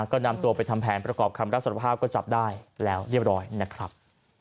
ก็นำตัวไปทำแผนประกอบคำรับสารภาพก็จับได้แล้วเรียบร้อยนะครับ